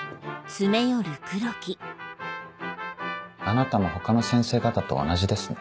あなたも他の先生方と同じですね。